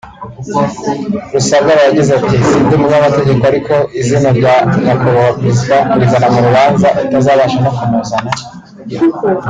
Rusagara yagize ati “si ndi umunyamategeko ariko izina rya nyakubahwa perezida kurizana mu rubanza utazabasha no kumuzana